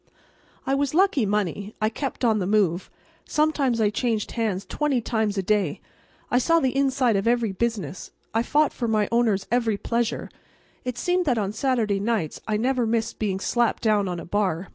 I was lucky money. I kept on the move. Sometimes I changed hands twenty times a day. I saw the inside of every business; I fought for my owner's every pleasure. It seemed that on Saturday nights I never missed being slapped down on a bar.